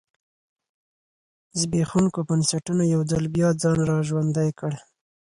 زبېښونکو بنسټونو یو ځل بیا ځان را ژوندی کړ.